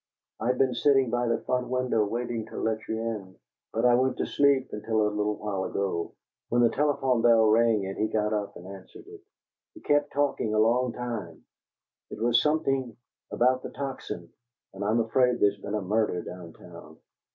I've been sitting by the front window, waiting to let you in, but I went to sleep until a little while ago, when the telephone bell rang and he got up and answered it. He kept talking a long time; it was something about the Tocsin, and I'm afraid there's been a murder down town.